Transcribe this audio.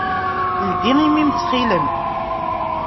Ldi imi-m, ttxil-m!